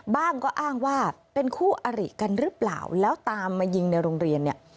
บ้างก็อ้างว่าเป็นคู่อริกันหรือเปล่าแล้วตามมายิงในโรงเรียนเนี่ย